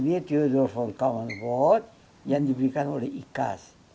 ini tudor von kommenbord yang diberikan oleh icas